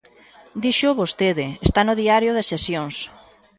Díxoo vostede, está no Diario de Sesións.